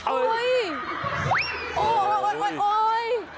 โอ๊ยโอ๊ย